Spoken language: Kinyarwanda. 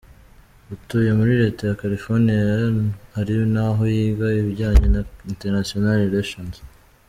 Atuye muri Leta ya California ari naho yiga ibijyanye na International Relations.